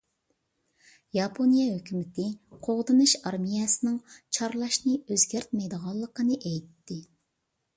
ياپونىيە ھۆكۈمىتى قوغدىنىش ئارمىيەسىنىڭ چارلاشنى ئۆزگەرتمەيدىغانلىقىنى ئېيتتى.